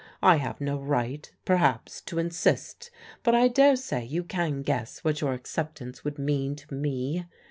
I have no right perhaps to insist; but I daresay you can guess what your acceptance would mean to me.